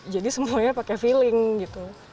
semuanya pakai feeling gitu